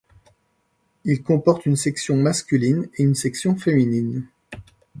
Il comporte une section masculine et une section féminine.